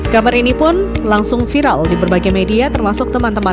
gambar ini pun langsung viral di berbagai media termasuk teman teman